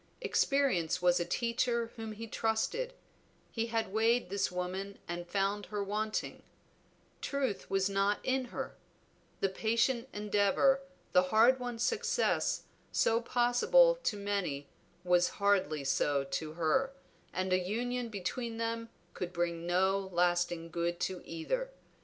Experience was a teacher whom he trusted; he had weighed this woman and found her wanting; truth was not in her; the patient endeavor, the hard won success so possible to many was hardly so to her, and a union between them could bring no lasting good to either.